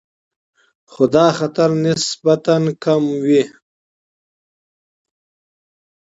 خو دا خطر نسبتاً کم وي.